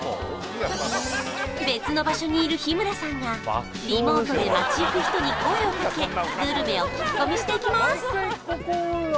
別の場所にいる日村さんがリモートで町ゆく人に声をかけグルメを聞き込みしていきます